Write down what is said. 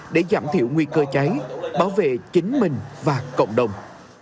để giảm thiểu nguy cơ cháy bảo vệ chính mình và cộng đồng